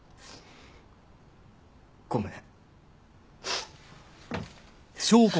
ごめん。